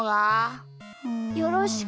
よろしく。